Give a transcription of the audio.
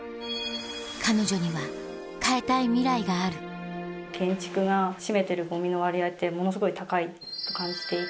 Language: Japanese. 彼女には変えたいミライがある建築が占めてるゴミの割合ってものすごい高いと感じていて。